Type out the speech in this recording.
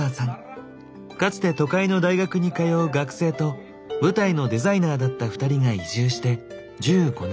かつて都会の大学に通う学生と舞台のデザイナーだった二人が移住して１５年。